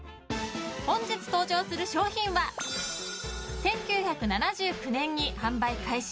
本日登場する商品は１９７９年に販売開始。